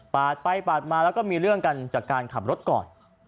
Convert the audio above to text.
ไปปาดมาแล้วก็มีเรื่องกันจากการขับรถก่อน